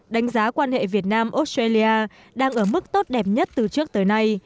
đánh giá quan hệ việt nam australia đang ở mức tốt đẹp nhất từ trước tới nay